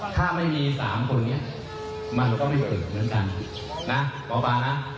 นะหมอปลานะ